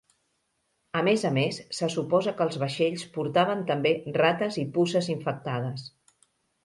A més a més, se suposa que els vaixells portaven també rates i puces infectades.